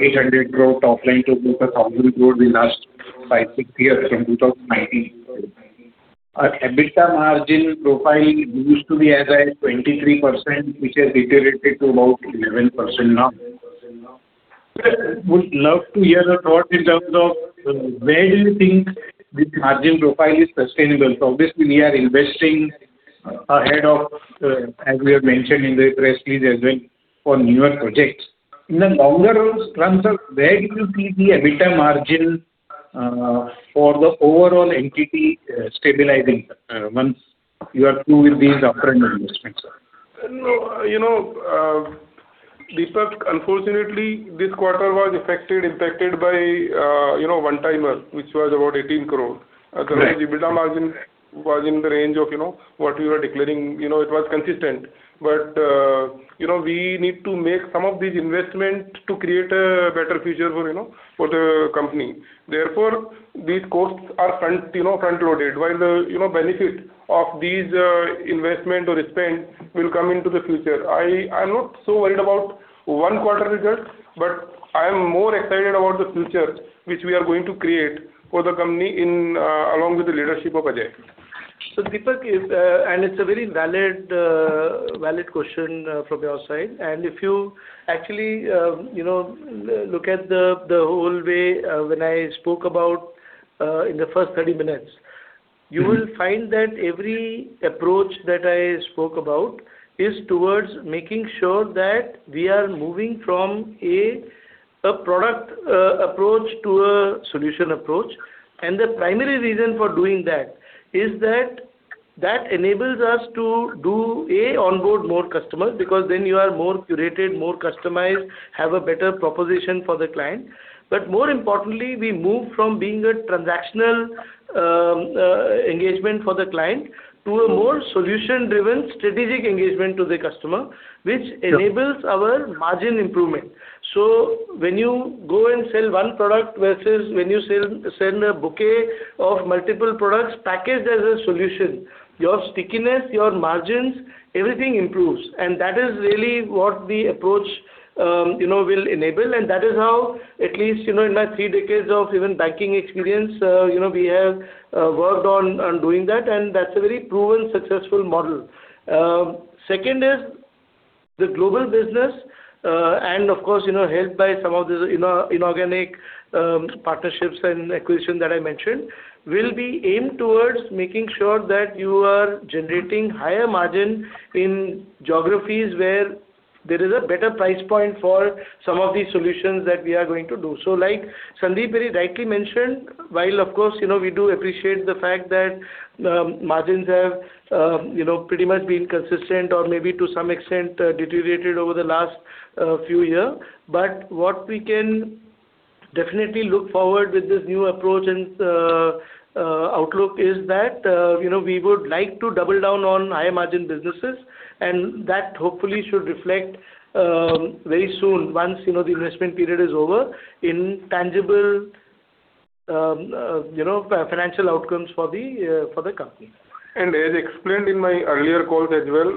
800 crore top line to close to 1,000 crore in last five, six years from 2019. Our EBITDA margin profile used to be as high as 23%, which has deteriorated to about 11% now. I would love to hear your thoughts in terms of where do you think this margin profile is sustainable? Obviously we are investing ahead of, as we have mentioned in the press release, as well, for newer projects. In the longer run, sir, where do you see the EBITDA margin for the overall entity stabilizing once you are through with these upfront investments? Deepak, unfortunately, this quarter was affected by one-timer, which was about 18 crore. Right. As a result, EBITDA margin was in the range of what we were declaring. It was consistent. We need to make some of these investments to create a better future for the company. Therefore, these costs are front-loaded, while the benefit of these investment or expense will come into the future. I am not so worried about one-quarter result, but I am more excited about the future, which we are going to create for the company along with the leadership of Ajay. Deepak, it is a very valid question from your side. If you actually look at the whole way when I spoke about in the first 30 minutes. You will find that every approach that I spoke about is towards making sure that we are moving from a product approach to a solution approach. The primary reason for doing that is that enables us to do, A., onboard more customers, because then you are more curated, more customized, have a better proposition for the client. More importantly, we move from being a transactional engagement for the client to a more solution-driven strategic engagement to the customer. Sure. Which enables our margin improvement. When you go and sell one product versus when you sell a bouquet of multiple products packaged as a solution, your stickiness, your margins, everything improves. That is really what the approach will enable. That is how, at least in my three decades of even banking experience, we have worked on doing that, and that is a very proven successful model. Second is the global business, and of course, helped by some of these inorganic partnerships and acquisition that I mentioned, will be aimed towards making sure that you are generating higher margin in geographies where there is a better price point for some of the solutions that we are going to do. Like Sandip very rightly mentioned, while of course, we do appreciate the fact that margins have pretty much been consistent or maybe to some extent deteriorated over the last few year. What we can definitely look forward with this new approach and outlook is that we would like to double down on high-margin businesses, and that hopefully should reflect very soon once the investment period is over in tangible the financial outcomes for the company. As explained in my earlier calls as well,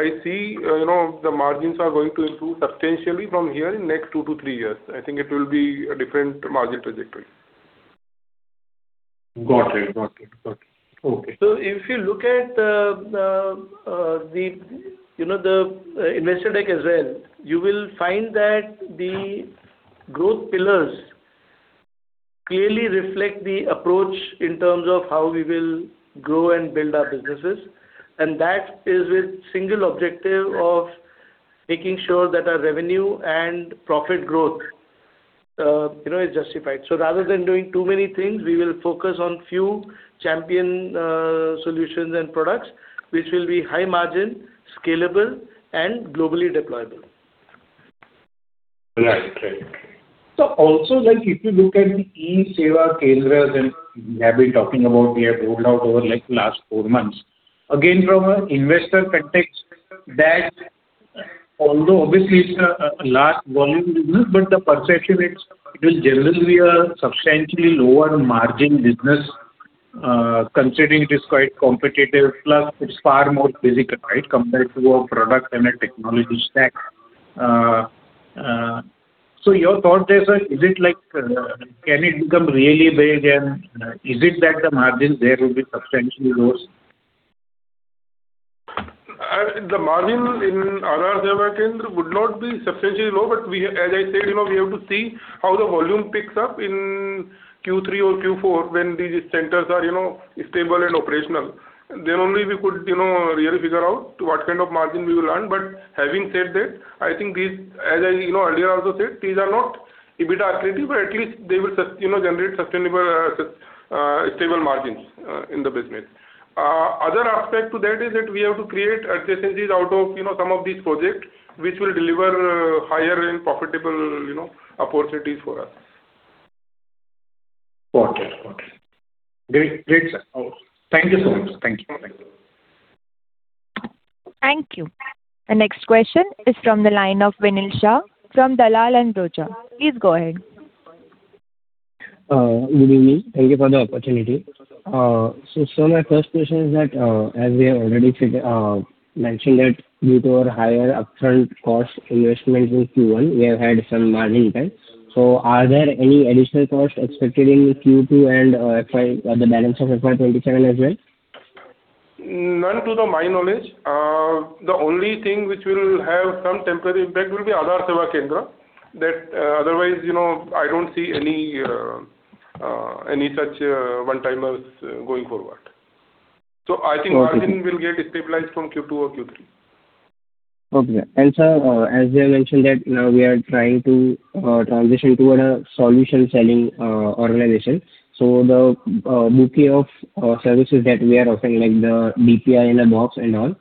I see the margins are going to improve substantially from here in next two to three years. I think it will be a different margin trajectory. Got it. Okay. If you look at the investor deck as well, you will find that the growth pillars clearly reflect the approach in terms of how we will grow and build our businesses. That is with single objective of making sure that our revenue and profit growth is justified. Rather than doing too many things, we will focus on few champion solutions and products, which will be high margin, scalable, and globally deployable. Also, if you look at the Aadhaar Seva Kendras that we have been talking about, we have rolled out over like last four months. Again, from an investor context, that although obviously it's a large volume business, but the perception, it will generally be a substantially lower margin business, considering it is quite competitive, plus it's far more physical, right? Compared to a product and a technology stack. Your thought there, sir, can it become really big and is it that the margin there will be substantially lower? The margin in Aadhaar Seva Kendra would not be substantially low. As I said, we have to see how the volume picks up in Q3 or Q4 when these centers are stable and operational. Only we could really figure out what kind of margin we will earn. Having said that, I think these, as I earlier also said, these are not EBITDA accretive, but at least they will generate sustainable, stable margins in the business. Other aspect to that is that we have to create adjacencies out of some of these projects, which will deliver higher and profitable opportunities for us. Got it. Great. Thank you so much. Thank you. The next question is from the line of Vinil Shah from Dalal & Broacha. Please go ahead. Good evening. Thank you for the opportunity. Sir, my first question is that, as we have already mentioned that due to our higher upfront cost investments in Q1, we have had some margin impact. Are there any additional costs expected in Q2 and the balance of FY 2027 as well? None to my knowledge. The only thing which will have some temporary impact will be Aadhaar Seva Kendra. Otherwise, I don't see any such one-timers going forward. Okay. Margin will get stabilized from Q2 or Q3. Okay. Sir, as you have mentioned that now we are trying to transition toward a solution-selling organization. The bouquet of services that we are offering, like the DPI in a Box and all.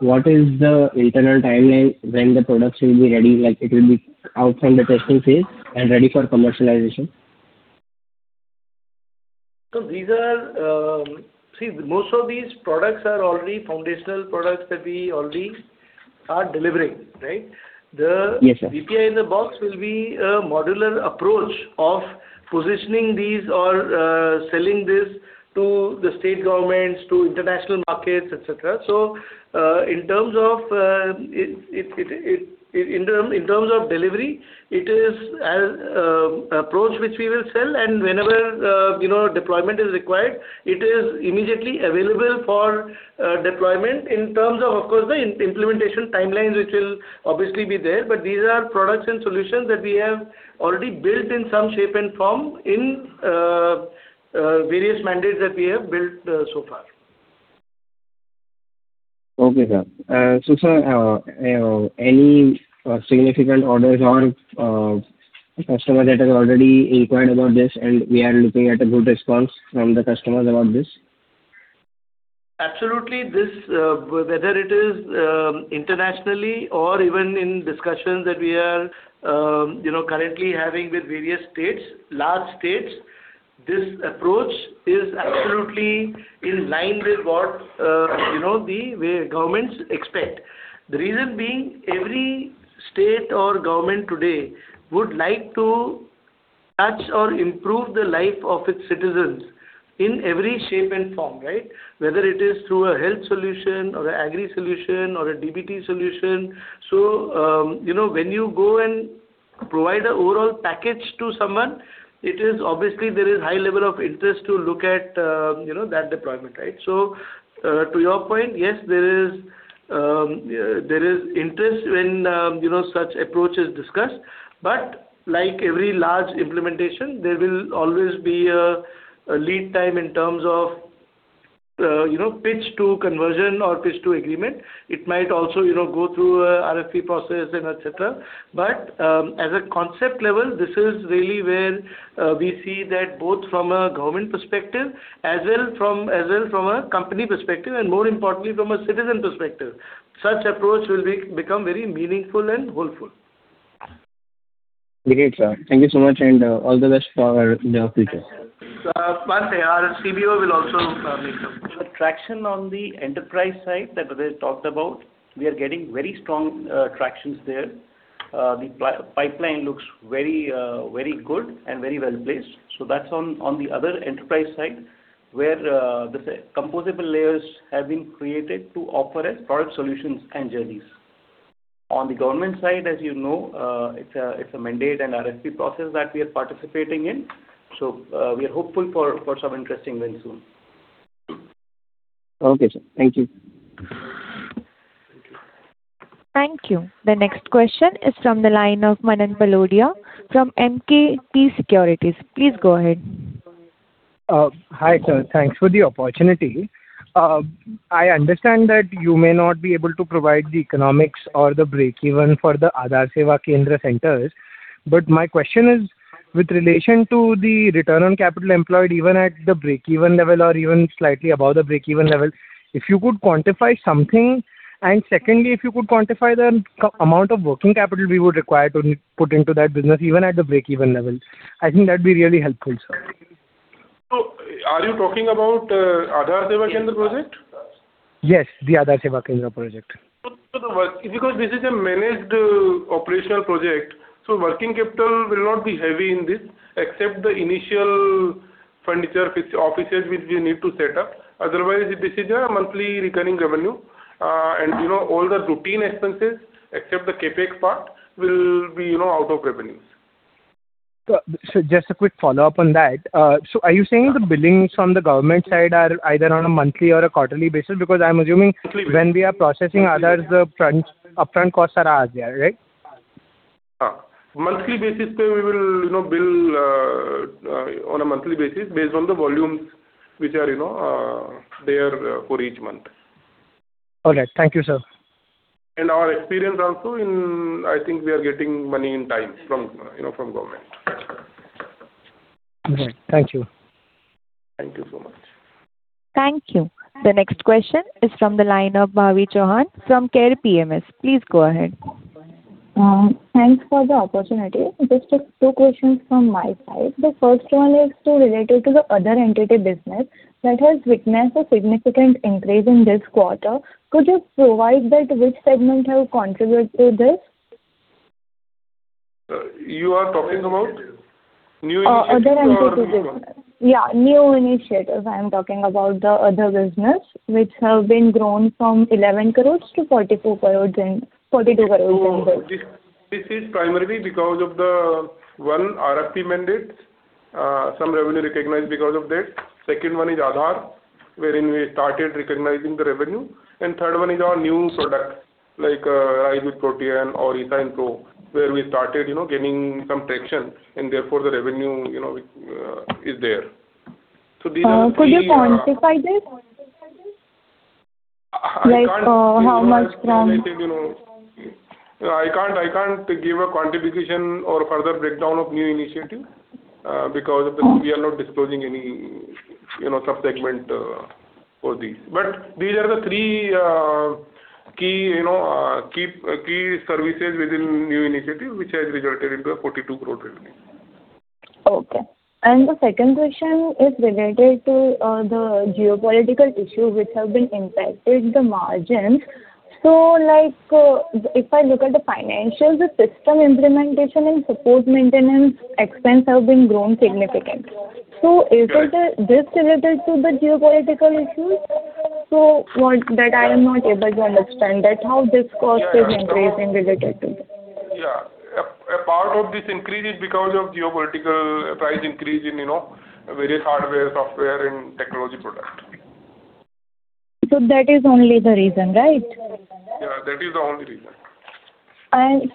What is the internal timeline when the products will be ready? Like it will be out from the testing phase and ready for commercialization? Most of these products are already foundational products that we already are delivering, right? Yes, sir. The DPI in a Box will be a modular approach of positioning these or selling this to the state governments, to international markets, et cetera. In terms of delivery, it is an approach which we will sell, and whenever deployment is required, it is immediately available for deployment. In terms, of course, the implementation timelines, which will obviously be there, but these are products and solutions that we have already built in some shape and form in various mandates that we have built so far. Okay, sir. Sir, any significant orders or customers that have already inquired about this and we are looking at a good response from the customers about this? Absolutely. Whether it is internationally or even in discussions that we are currently having with various states, large states, this approach is absolutely in line with what the governments expect. The reason being, every state or government today would like to touch or improve the life of its citizens in every shape and form, right? Whether it is through a health solution or an agri solution or a DBT solution. To your point, yes, there is interest when such approach is discussed. Like every large implementation, there will always be a lead time in terms of pitch to conversion or pitch to agreement. It might also go through an RFP process and et cetera. As a concept level, this is really where we see that both from a government perspective as well from a company perspective and more importantly, from a citizen perspective, such approach will become very meaningful and whole full. Great, sir. Thank you so much and all the best for your future. One sec. Our CBO will also make. Traction on the enterprise side that Vivek talked about, we are getting very strong tractions there The pipeline looks very good and very well-placed. That's on the other enterprise side, where the composable layers have been created to offer as product solutions and journeys. On the government side, as you know, it's a mandate and RFP process that we are participating in. We are hopeful for some interesting wins soon. Okay, sir. Thank you. Thank you. The next question is from the line of Manan Palodia from MKT Securities. Please go ahead. Hi, sir. Thanks for the opportunity. I understand that you may not be able to provide the economics or the breakeven for the Aadhaar Seva Kendra centers. My question is, with relation to the return on capital employed, even at the breakeven level or even slightly above the breakeven level, if you could quantify something. Secondly, if you could quantify the amount of working capital we would require to put into that business, even at the breakeven level. I think that'd be really helpful, sir. Are you talking about Aadhaar Seva Kendra project? Yes, the Aadhaar Seva Kendra project. This is a managed operational project, working capital will not be heavy in this except the initial furniture offices which we need to set up. Otherwise, this is a monthly recurring revenue. All the routine expenses, except the CapEx part, will be out of revenues. Just a quick follow-up on that. Are you saying the billings from the government side are either on a monthly or a quarterly basis? Monthly basis. When we are processing Aadhaar's upfront costs are as they are, right? Monthly basis pay, we will bill on a monthly basis based on the volumes which are there for each month. Okay. Thank you, sir. In our experience also, I think we are getting money in time from government. Okay. Thank you. Thank you so much. Thank you. The next question is from the line of Bhavi Chauhan from Care PMS. Please go ahead. Thanks for the opportunity. Just two questions from my side. The first one is related to the other entity business that has witnessed a significant increase in this quarter. Could you provide that which segment have contributed to this? You are talking about new initiatives or- Other entity business. Yeah, new initiatives. I am talking about the other business which have been grown from 11 crores to 42 crores in this. This is primarily because of the, one, RFP mandates. Some revenue recognized because of that. Second one is Aadhaar, wherein we started recognizing the revenue. Third one is our new product, like Rise with Protean or eSignPro, where we started gaining some traction and therefore the revenue is there. These are the three- Could you quantify this? I can't. Like how much from- I can't give a quantification or further breakdown of new initiative, we are not disclosing any sub-segment for these. These are the three key services within new initiative, which has resulted into a 42 crore revenue. Okay. The second question is related to the geopolitical issue which have been impacted the margins. If I look at the financials, the system implementation and support maintenance expense have been grown significantly. Is this related to the geopolitical issues? That I am not able to understand, that how this cost is increasing related to this. Yeah. A part of this increase is because of geopolitical price increase in various hardware, software, and technology product. That is only the reason, right? Yeah, that is the only reason. Excluding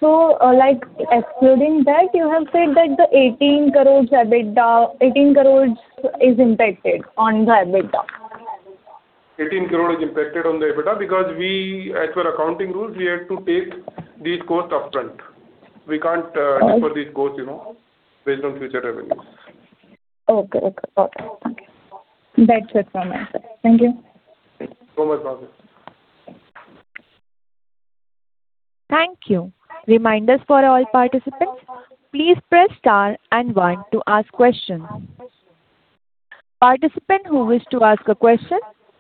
that, you have said that the 18 crore is impacted on the EBITDA. 18 crore is impacted on the EBITDA because as per accounting rules, we had to take these costs upfront. We can't defer these costs based on future revenues. Okay. Got it. Thank you. No problem. Thank you. Reminders for all participants. Please press star and one to ask questions. Participant who wish to ask a question,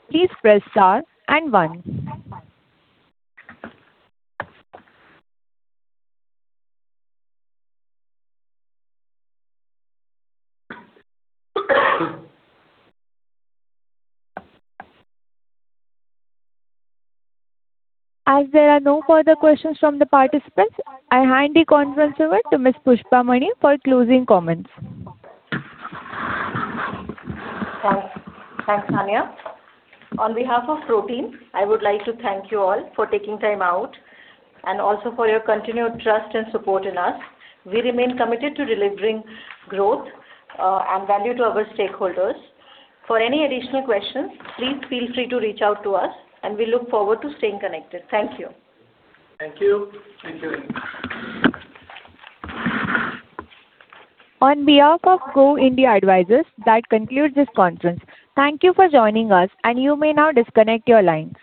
please press star and one. As there are no further questions from the participants, I hand the conference over to Ms. Pushpa Mani for closing comments. Thanks, Saniya. On behalf of Protean, I would like to thank you all for taking time out, and also for your continued trust and support in us. We remain committed to delivering growth, and value to our stakeholders. For any additional questions, please feel free to reach out to us and we look forward to staying connected. Thank you. Thank you. On behalf of Go India Advisors, that concludes this conference. Thank you for joining us, and you may now disconnect your lines.